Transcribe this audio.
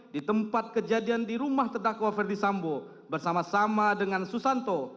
di tempat kejadian di rumah terdakwa ferdisambo bersama sama dengan susanto